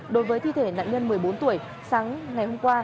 đối với thi thể nạn nhân một mươi bốn tuổi sáng ngày hôm qua